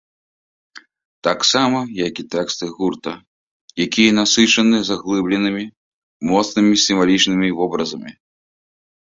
Таксама, як і тэксты гурта, якія насычаны заглыбленымі, моцнымі сімвалічнымі вобразамі.